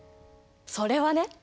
それはね